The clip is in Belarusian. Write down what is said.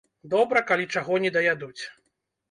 Добра, калі чаго не даядуць.